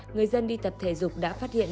người dân đi tập thể dục đã phát hiện